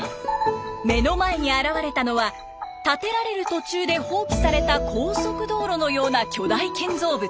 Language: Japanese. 目の前に現れたのは建てられる途中で放棄された高速道路のような巨大建造物。